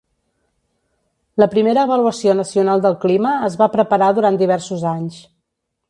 La primera Avaluació Nacional del Clima es va preparar durant diversos anys.